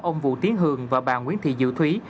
ông vũ tiến hường và bà nguyễn thị diệu thúy